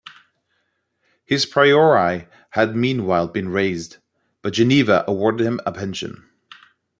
His priory had meanwhile been razed, but Geneva awarded him a pension.